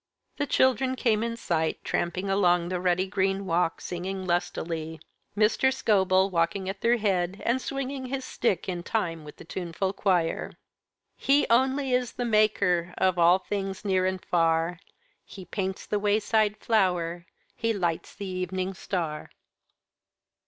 The children came in sight, tramping along the rutty green walk, singing lustily, Mr. Scobel walking at their head, and swinging his stick in time with the tuneful choir. "He only is the Maker Of all things near and far; He paints the wayside flower, He lights the evening star."